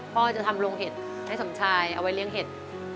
พ่อจะทำโรงเห็ดให้สมชายเอาไว้เลี้ยงเห็ด